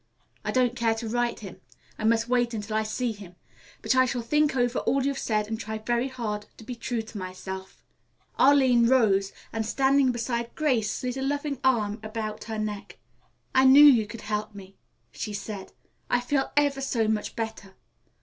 I don't care to write him. I must wait until I see him. But I shall think over all you've said and try very hard to be true to myself." Arline rose and standing beside Grace slid a loving arm about her neck. "I knew you could help me," she said. "I feel ever so much better.